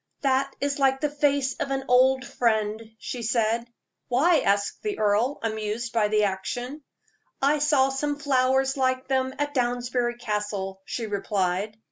"That is like the face of an old friend," she said. "Why?" asked the earl, amused by the action. "I saw some flowers like them at Downsbury Castle," she replied.